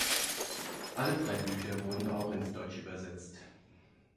Alle drei Bücher wurden auch ins Deutsche übersetzt.